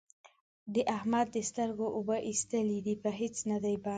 د احمد د سترګو اوبه اېستلې دي؛ په هيڅ نه دی بند،